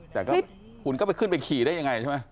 แต่ก็คุณก็ไปขึ้นไปขี่ได้ยังไงใช่ไหม